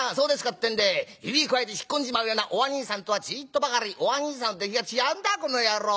ってんで指くわえて引っ込んじまうようなおあにいさんとはちいっとばかりおあにいさんの出来が違うんだこの野郎。